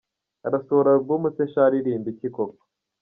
Arasohora arbum se sha aririmbiki koko!!.